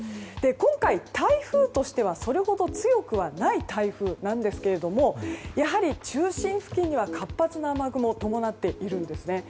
今回、台風としてはそれほど強くはない台風ですがやはり中心付近には活発な雨雲を伴っているんですね。